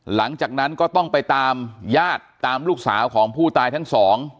หลังจากนั้นก็ต้องไปตามญาติตามลูกสาวของผู้ตายทั้งสอง